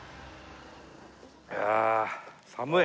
いやあ寒い。